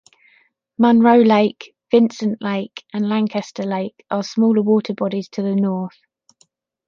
Munro Lake, Vincent Lake, and Lancaster Lake are smaller water bodies to the north.